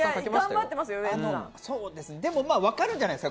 でも分かるんじゃないですか？